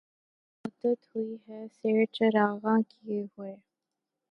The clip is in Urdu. مدّت ہوئی ہے سیر چراغاں کئے ہوئے